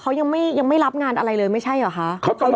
เขายังไม่รับงานอะไรเลยไม่ใช่เหรอคะ